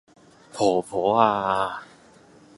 婆婆呀......